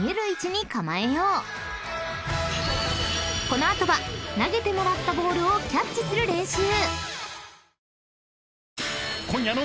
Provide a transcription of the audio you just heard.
［この後は投げてもらったボールをキャッチする練習］